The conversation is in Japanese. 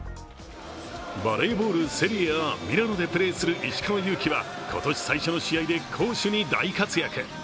バレーボールセリエＡミラノでプレーする石川祐希は今年最初の試合で攻守に大活躍。